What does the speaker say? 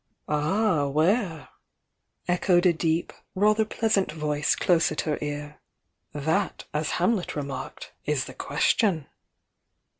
"Ah, where!" echoed a deep, rather pleasant voice close at her ear. "That, as Hamlet remarked, i'^ the question!"